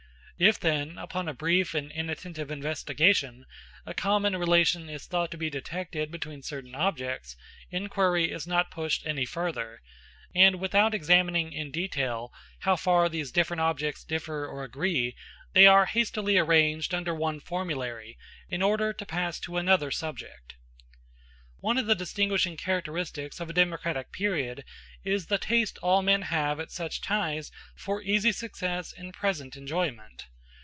If then, upon a brief and inattentive investigation, a common relation is thought to be detected between certain obtects, inquiry is not pushed any further; and without examining in detail how far these different objects differ or agree, they are hastily arranged under one formulary, in order to pass to another subject. One of the distinguishing characteristics of a democratic period is the taste all men have at such ties for easy success and present enjoyment.